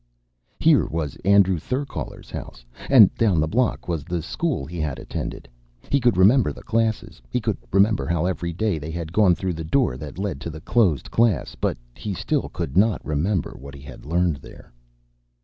Here was Andrew Therkaler's house. And down the block was the school he had attended. He could remember the classes. He could remember how, every day, they had gone through the door that led to the closed class. But he still could not remember what he had learned there.